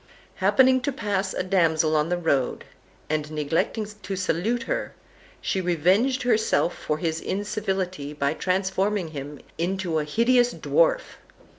Happening to pass a damsel on his road, and neglecting to salute her, she revenged herself for his incivility by transforming him into a hideous dwarf.